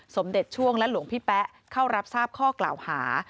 สมเด็จช่วงและหลวงพี่แป๊ะเข้ารับทราบข้อกล่าวหา